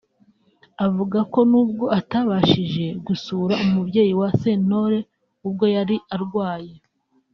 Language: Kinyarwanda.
avuga ko nubwo atabashije gusura umubyeyi wa Sentore ubwo yari arwaye